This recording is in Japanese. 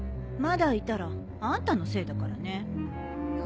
まだいたらあんたのせいだからね。